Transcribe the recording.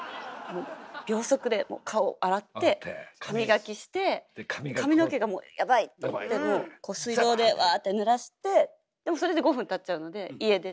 秒速で顔を洗って歯磨きして髪の毛がもうやばいと思ってもうこう水道でワーッてぬらしてでもそれで５分たっちゃうので家出て。